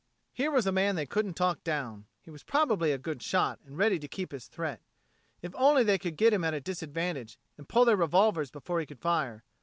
Here was a man they couldn't talk down. He was probably a good shot, and ready to keep his threat. If only they could get him at a disadvantage, and pull their revolvers before he could fire.